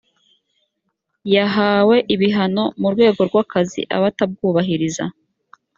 yahawe ibihano mu rwego rw’akazi abatabwubahiriza